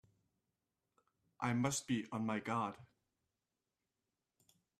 I must be on my guard!